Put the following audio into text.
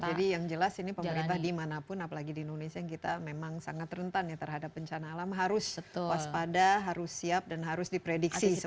yang jelas ini pemerintah dimanapun apalagi di indonesia yang kita memang sangat rentan ya terhadap bencana alam harus waspada harus siap dan harus diprediksi